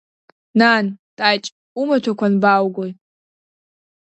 Нан, Таҷ, умаҭәақәа анбааугои?